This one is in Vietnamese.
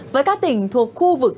với các tỉnh thuộc khu vực